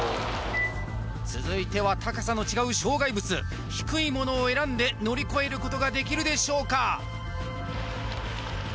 続いては高さの違う障害物低いものを選んで乗り越えることができるでしょうか？